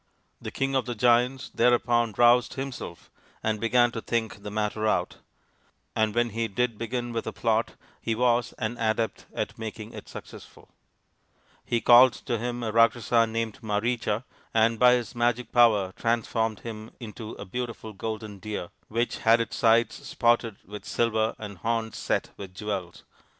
The king of the giants thereupon roused himself and began to think the matter out ; and when he did begin with a plot he was an adept at making it successful He called to him a Rakshasa named Maricha, and by his magic power transformed him into a beautiful golden deer which had its sides spotted with silver and horns set with jewels.